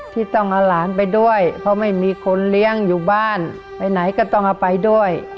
ที่ต้องเอาหลานไปด้วยเพราะไม่มีคนเลี้ยงอยู่บ้านไปไหนก็ต้องเอาไปด้วย